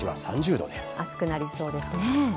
暑くなりそうですね。